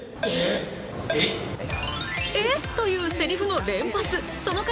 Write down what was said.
「え？」というせりふの連発その数